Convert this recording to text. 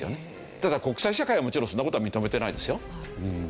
ただ国際社会はもちろんそんな事は認めてないですよ。